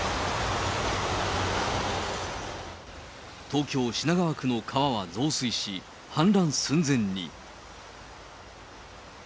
東京・品川区の川は増水し、氾濫寸前に。